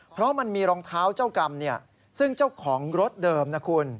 เพราะมันมีรองเท้าเจ้ากรรมซึ่งเจ้าของรถเดิมนะคุณ